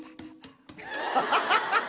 ハハハハ！